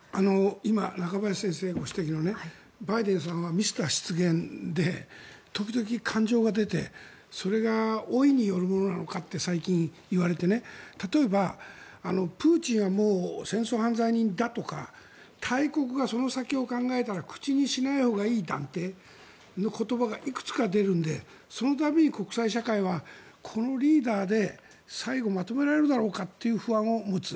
今、中林先生がご指摘のバイデンさんはミスター失言で時々、感情が出てそれが老いによるものなのかって最近、言われて例えばプーチンはもう戦争犯罪人だとか大国がその先を考えたら口にしないほうがいい断定の言葉がいくつか出るのでその度に国際社会はこのリーダーで、最後まとめられるだろうかっていう不安を持つ。